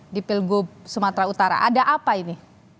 di pilgub sumatera utara ada apa ini